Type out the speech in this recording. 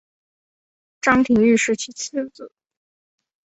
张廷玉是其次子。